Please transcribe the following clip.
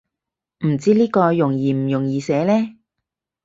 唔知呢個容易唔容易寫呢